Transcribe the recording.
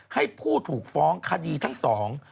ให้ผู้ถูกฟ้องคดีทั้งสอง